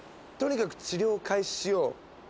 とにかく治療を開始しよう。